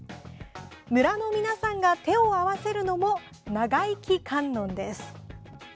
村の皆さんが手を合わせるのも長生観音です。